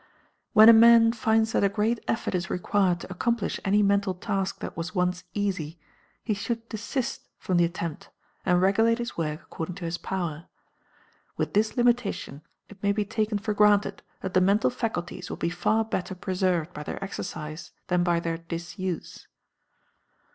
When a man finds that a great effort is required to accomplish any mental task that was once easy, he should desist from the attempt, and regulate his work according to his power. With this limitation, it may be taken for granted that the mental faculties will be far better preserved by their exercise than by their disuse.